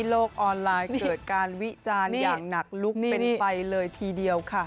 โลกออนไลน์เกิดการวิจารณ์อย่างหนักลุกเป็นไปเลยทีเดียวค่ะ